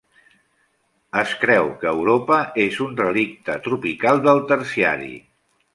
Es creu que a Europa és un relicte tropical del terciari.